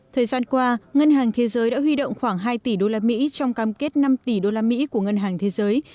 thời gian qua ngân hàng thế giới đã huy động khoảng hai tỷ đô la mỹ trong cam kết năm tỷ đô la mỹ của ngân hàng thế giới